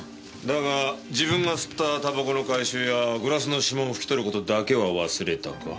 だが自分が吸ったタバコの回収やグラスの指紋を拭き取る事だけは忘れたか？